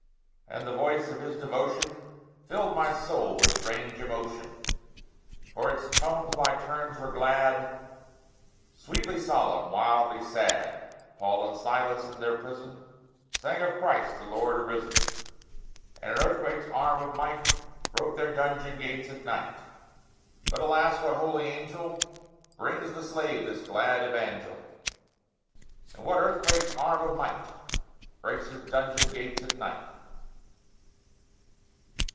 And the voice of his devotion Filled my soul with strange emotion; For its tones by turns were glad, Sweetly solemn, wildly sad. Paul and Silas, in their prison, Sang of Christ, the Lord arisen, And an earthquake's arm of might Broke their dungeon gates at night. But, alas! what holy angel Brings the Slave this glad evangel? And what earthquake's arm of might Breaks his dungeon gates at night?